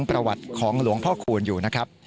ประวัติของหลวงพ่อคูณอยู่นะครับ